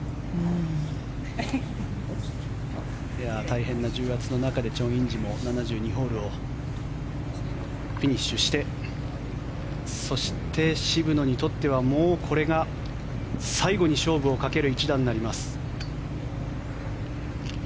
大変な重圧の中でチョン・インジも７２ホールをフィニッシュしてそして渋野にとってはもうこれが最後に勝負をかける一打になります。